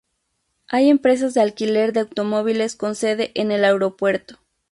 Hay empresas de alquiler de automóviles con sede en el aeropuerto.